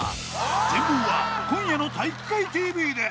全貌は今夜の「体育会ＴＶ」で